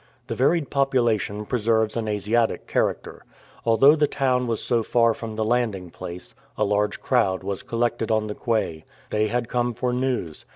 The varied population preserves an Asiatic character. Although the town was so far from the landing place, a large crowd was collected on the quay. They had come for news.